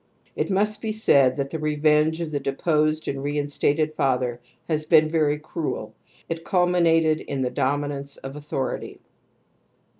It must be said that the revenge of the deposed and reinstated father has been very cruel ; it culminated in the dominance of authority.